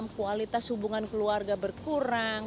kualitas hubungan keluarga berkurang